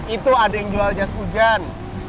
itu ada yang jual jas hujan